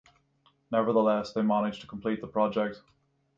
Nevertheless, they managed to complete the project.